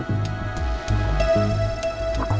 terima kasih pak chandra